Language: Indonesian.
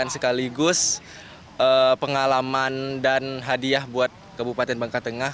dan sekaligus pengalaman dan hadiah buat kabupaten bangka tengah